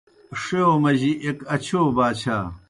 ݜِیؤ مجی ایْک اچِھیو باچھا